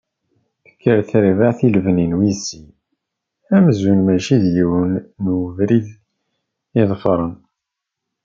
Tekker terbaɛt i lebni n wis sin, amzun mačči d yiwen n ubrid i ḍefren.